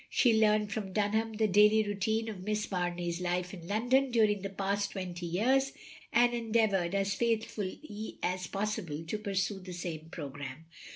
She learnt from Dtmham the daily routine of Miss Mamey's life in London during the past twenty years, and en deavoured, as faithfully as possible, to pursue the same programme.